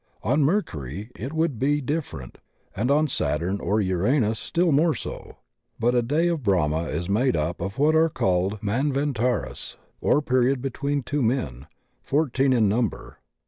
On Mercury it would be differ ent, and on Saturn or Uranus still more so. But a day of Brahma is made up of what are called Manvantaras — or period between two men — ^fourteen in number.